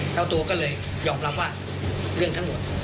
เจ้าตัวก็เลยยอมรับว่าเรื่องทั้งหมด